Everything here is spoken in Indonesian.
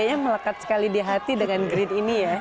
sepertinya melekat sekali di hati dengan green ini ya